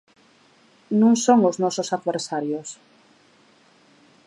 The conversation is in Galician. Non son os nosos adversarios.